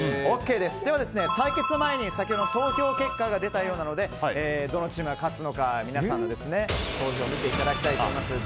では対決の前に先ほどの投票結果が出たようなのでどのチームが勝つのか皆さんの投票を見ていただきたいと思います。